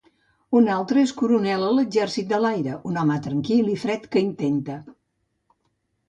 Un altre és coronel a l'exèrcit de l'aire, un home tranquil i fred que intenta.